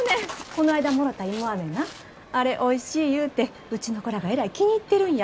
こないだもろた芋アメなあれおいしい言うてうちの子らがえらい気に入ってるんや。